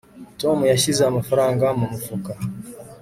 tom yashyize amafaranga mu mufuka